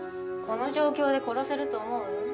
この状況で殺せると思う？